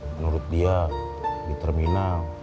menurut dia di terminal